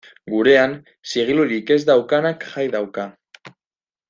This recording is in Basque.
Gurean, zigilurik ez daukanak jai dauka.